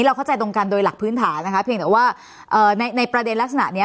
เราเข้าใจตรงกันโดยหลักพื้นฐานนะคะเพียงแต่ว่าในประเด็นลักษณะนี้